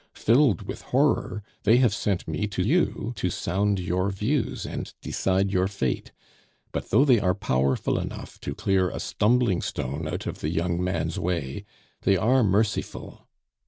Filled with horror, they have sent me to you to sound your views and decide your fate; but though they are powerful enough to clear a stumbling stone out of the young man's way, they are merciful.